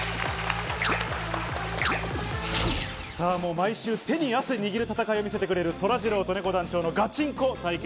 毎週、手に汗握る戦いを見せてくれるそらジローとねこ団長のガチンコ対決。